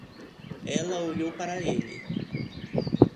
Ela olhou para ele.